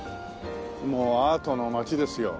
もうアートの街ですよ